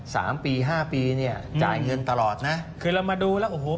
สามปีห้าปีเนี่ยจ่ายเงินตลอดนะคือเรามาดูแล้วโอ้โห